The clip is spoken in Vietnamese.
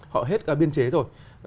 họ hết biên chế rồi